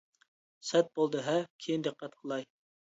سەت بولدى ھە، كېيىن دىققەت قىلاي!